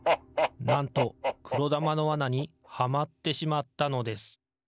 なんとくろだまのわなにはまってしまったのです。